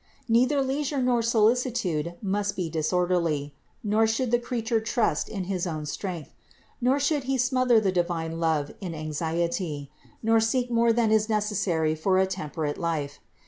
Neither leisure nor solicitude must be disorderly; nor should the creature trust in his own strength; nor should he smother the divine love in anxiety; nor seek more than is necessary for a temperate life.